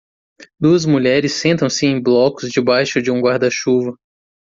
Duas mulheres sentam-se em blocos debaixo de um guarda-chuva.